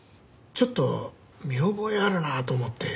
ちょっと見覚えあるなと思って。